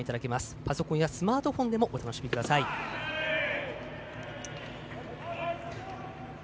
パソコンやスマートフォンでもお楽しみください。